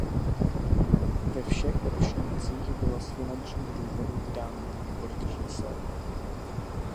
Ve všech ročnících bylo z finančních důvodů vydáno jen několik čísel.